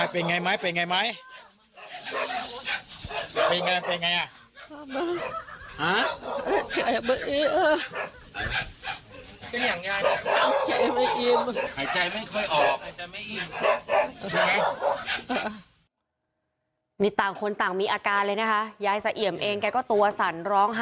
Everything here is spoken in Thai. เป็นอะไรจังหวัดล่ะปวนหัวเหรอ